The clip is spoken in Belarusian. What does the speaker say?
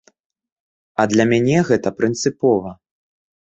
А для мяне гэта прынцыпова.